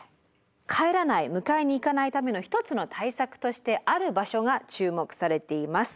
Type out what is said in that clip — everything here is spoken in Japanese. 帰らない迎えに行かないための一つの対策としてある場所が注目されています。